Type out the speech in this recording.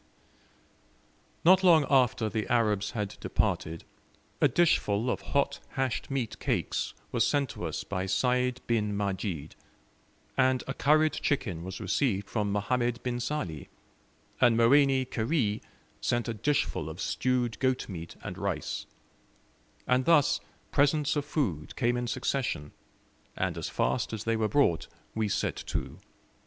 Not long after the Arabs had departed, a dishful of hot hashed meat cakes was sent to us by Sayd bin Majid, and a curried chicken was received from Mohammed bin Sali, and Moeni Kheri sent a dishful of stewed goat meat and rice; and thus presents of food came in succession, and as fast as they were brought we set to.